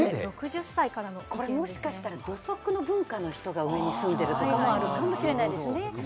もしかしたら土足の文化の人が上に住んでいるとかもあるかもしれないですね。